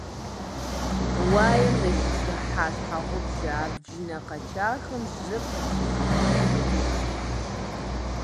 Уаем зэхитхыхьа щхьэгъубжэ абджынэ къэчахэм жьыр къыдэфиикӀырт.